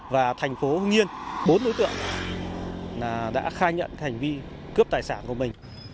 và thành phố nhiên bốn đối tượng đã khai nhận hành vi cướp tài sản của mình